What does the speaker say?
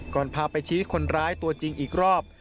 พาไปชี้คนร้ายตัวจริงอีกรอบ